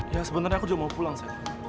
ya sebenernya aku juga mau pulang seth